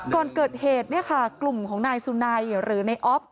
ก่อนเกิดเหตุเนี่ยค่ะกลุ่มของนายสุนัยหรือในออฟ